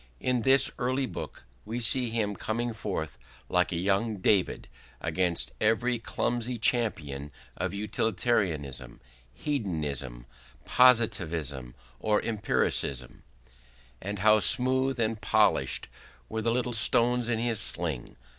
In this early book we see him coming forth like a young David against every clumsy champion of utilitarianism, hedonism, positivism, or empiricism. And how smooth and polished were the little stones in his sling!